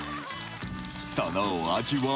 そのお味は？